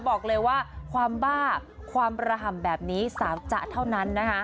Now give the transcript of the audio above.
บอกเลยว่าความบ้าความระห่ำแบบนี้สามจะเท่านั้นนะคะ